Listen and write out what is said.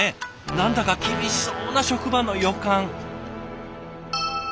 何だか厳しそうな職場の予感。